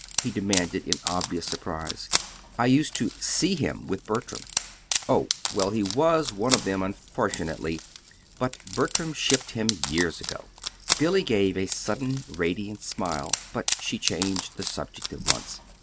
he demanded in obvious surprise. "I used to SEE him with Bertram." "Oh! Well, he WAS one of them, unfortunately. But Bertram shipped him years ago." Billy gave a sudden radiant smile but she changed the subject at once.